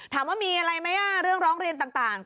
ถามว่ามีอะไรไหมเรื่องร้องเรียนต่าง